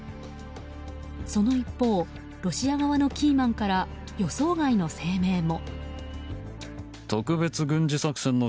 その一方ロシア側のキーマンから予想外の声明も。